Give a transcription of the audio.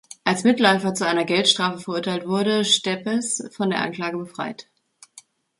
Als Mitläufer zu einer Geldstrafe verurteilt wurde Steppes von der Anklage befreit.